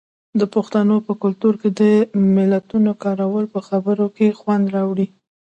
د پښتنو په کلتور کې د متلونو کارول په خبرو کې خوند راوړي.